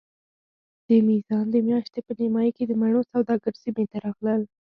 د میزان د میاشتې په نیمایي کې د مڼو سوداګر سیمې ته راغلل.